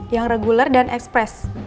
yang regular dan express